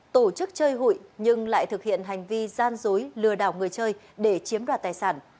tổ chức chơi hụi nhưng lại thực hiện hành vi gian dối lừa đảo người chơi để chiếm đoạt tài sản